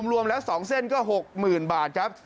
รวมแล้ว๒เส้นก็๖๐๐๐บาทครับ